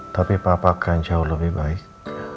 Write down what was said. tapi papa akan jauh lebih baik